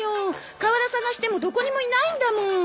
河原捜してもどこにもいないんだもーん。